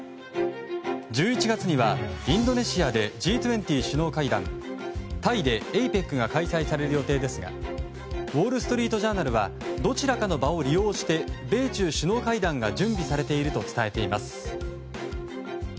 １１月にはインドネシアでＧ２０首脳会談タイでＡＰＥＣが開催される予定ですがウォール・ストリート・ジャーナルはどちらかの場を利用して米中首脳会談が準備されていると伝えています。